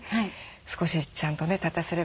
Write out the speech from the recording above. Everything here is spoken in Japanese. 少しちゃんとね立たせれば。